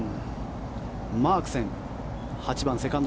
マークセン。